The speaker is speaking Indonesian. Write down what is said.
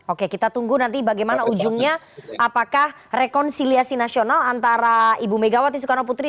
oke kita tunggu nanti bagaimana ujungnya apakah rekonsiliasi nasional antara ibu megawati soekarno putri